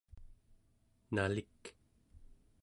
nalik